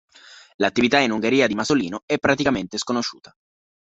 L'attività in Ungheria di Masolino è praticamente sconosciuta.